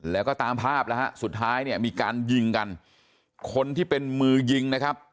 แล้วก็ตามภาพแล้วฮะสุดท้ายเนี่ยมีการยิงกันคนที่เป็นมือยิงนะครับ